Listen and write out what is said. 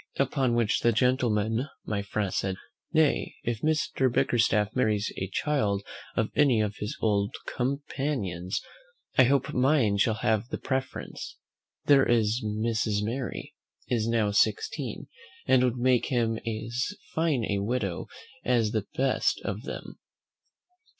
Upon which the gentleman, my friend, said, "Nay, if Mr. Bickerstaff marries a child of any of his old companions, I hope mine shall have the preference: there is Mrs. Mary is now sixteen, and would make him as fine a widow as the best of them.